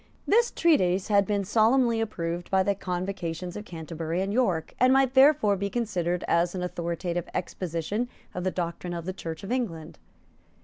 This treatise had been solemnly approved by the Convocations of Canterbury and York, and might therefore be considered as an authoritative exposition of the doctrine of the Church of England.